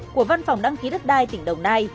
của văn phòng đăng ký đất đai tỉnh đồng nai